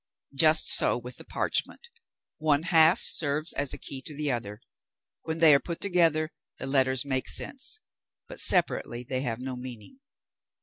Just so with the parchment; one half serves as a key to the other; when they are put together the letters make sense, but separately they have no meaning.